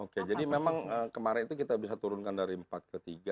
oke jadi memang kemarin itu kita bisa turunkan dari empat ke tiga